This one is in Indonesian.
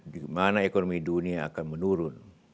di mana ekonomi dunia akan menurun